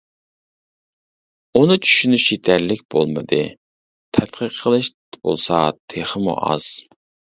ئۇنى چۈشىنىش يېتەرلىك بولمىدى، تەتقىق قىلىش بولسا تېخىمۇ ئاز.